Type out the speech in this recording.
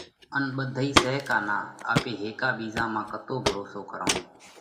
ان ٻنڌئِي سئہ ڪا نا؟ آپي هيڪا ٻِيزا مانه ڪتو ڀروسو ڪرونه؟